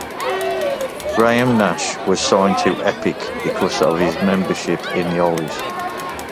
Graham Nash was signed to Epic because of his membership in The Hollies.